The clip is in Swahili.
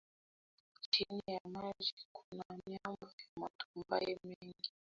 Chini ya maji kuna miamba ya matumbawe mengi